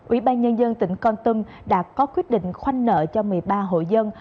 ủy ban nhân dân tỉnh con tâm đã có quyết định khoanh nợ cho một mươi ba hộ dân